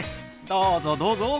どうぞどうぞ。